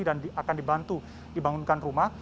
dan akan dibantu dibangunkan rumah